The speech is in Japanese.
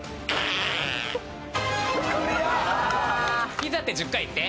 ピザって１０回言って。